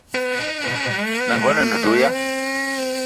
N’nagono a ne do ya ?